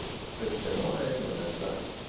اجتماع منظم